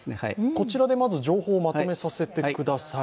こちらで情報をまとめさせてください。